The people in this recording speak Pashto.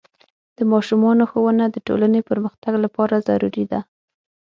د ماشومانو ښوونه د ټولنې پرمختګ لپاره ضروري ده.